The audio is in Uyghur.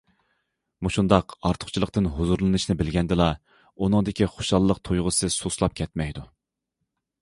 مۇشۇنداق ئارتۇقچىلىقتىن ھۇزۇرلىنىشنى بىلگەندىلا، ئۇنىڭدىكى خۇشاللىق تۇيغۇسى سۇسلاپ كەتمەيدۇ.